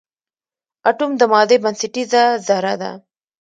اټوم د مادې بنسټیزه ذره ده.